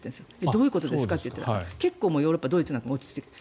どういうことですかといったら結構、ヨーロッパなんかドイツも落ち着いている。